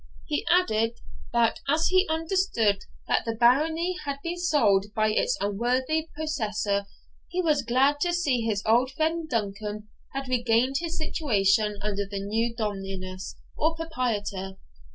He added, 'that, as he understood that the barony had been sold by its unworthy possessor, he was glad to see his old friend Duncan had regained his situation under the new Dominus, or proprietor.'